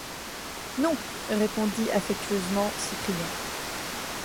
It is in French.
Non! répondit affectueusement Cyprien.